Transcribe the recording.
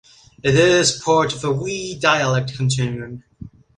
It is part of the Wee dialect continuum.